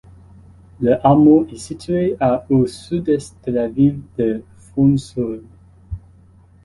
Le hameau est situé à au sud-est de la ville de Fonsorbes.